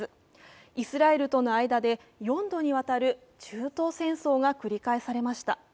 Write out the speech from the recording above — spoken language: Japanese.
イスラエルとの間で４度にわたる中東戦争が繰り返されました。